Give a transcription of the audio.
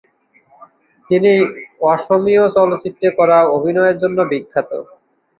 তিনি অসমীয়া চলচ্চিত্রে করা অভিনয়ের জন্য বিখ্যাত।